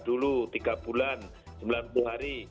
makan tablet tambah darah dulu tiga bulan sembilan puluh hari